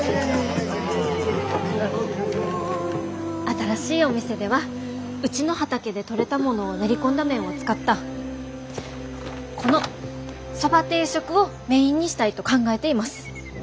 新しいお店ではうちの畑で取れたものを練り込んだ麺を使ったこのそば定食をメインにしたいと考えています。